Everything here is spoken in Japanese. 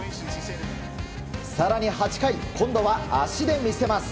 更に８回、今度は足で見せます。